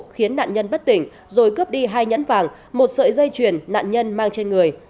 khiến nạn nhân bất tỉnh rồi cướp đi hai nhẫn vàng một sợi dây chuyền nạn nhân mang trên người